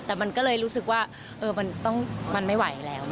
แต่มันก็เลยรู้สึกว่ามันไม่ไหวแล้ว